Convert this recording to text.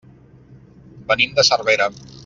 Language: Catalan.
Venim de Cervera.